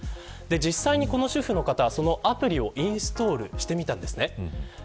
実際にこの主婦の方はそのアプリをインストールしてみたんです。